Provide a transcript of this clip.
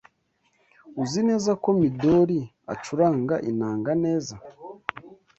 Uzi neza ko Midori acuranga inanga neza?